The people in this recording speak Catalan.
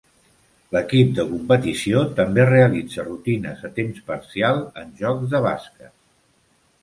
L'equip de competició també realitza rutines a temps parcial en jocs de bàsquet.